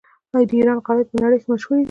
د ایران غالۍ په نړۍ کې مشهورې دي.